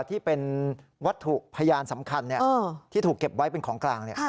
ที่เป็นวัตถุพยานสำคัญที่ถูกเก็บไว้เป็นของกลาง